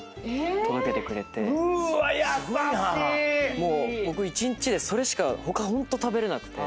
もう僕一日でそれしか他ホント食べれなくて。